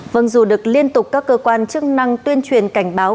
vâng dù được liên tục các cơ quan chức năng tuyên truyền cảnh báo